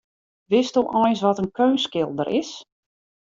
Witsto eins wat in keunstskilder is?